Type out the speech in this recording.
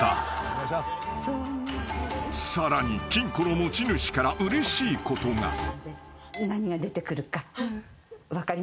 ［さらに金庫の持ち主からうれしいことが］